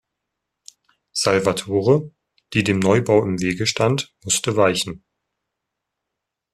Salvatore, die dem Neubau im Wege stand, musste weichen.